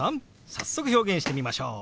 早速表現してみましょう！